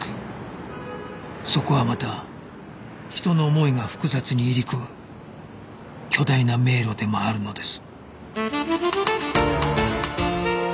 そこはまた人の思いが複雑に入り組む巨大な迷路でもあるのです